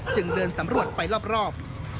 จึงเดินสำรวจไปรอบ